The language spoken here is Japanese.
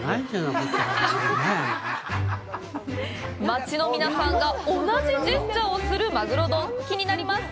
町の皆さんが同じジェスチャーをするまぐろ丼気になります！